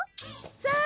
さあ